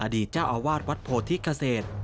อดีตเจ้าอาวาสวัดโพธิเกษตร